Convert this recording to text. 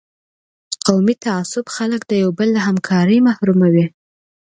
قومي تعصب خلک د یو بل له همکارۍ محروموي.